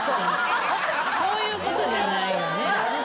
そういうことじゃないよね。